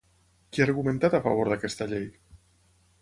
Qui ha argumentat a favor d'aquesta llei?